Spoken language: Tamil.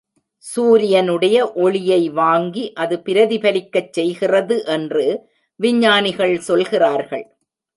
சூரியனுடைய ஒளியை வாங்கி அது பிரதிபலிக்கச் செய்கிறது என்று விஞ்ஞானிகள் சொல்கிறார்கள்.